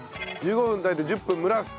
１５分炊いて１０分蒸らす。